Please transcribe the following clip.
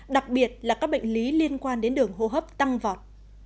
đặc biệt là các bệnh lý liên quan đến đường hô hấp tăng vọt